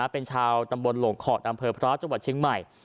เป็นชาวตำบลหลงขอดอำเภอพระจังหวัดเชียงใหม่